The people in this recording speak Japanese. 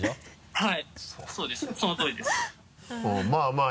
はい。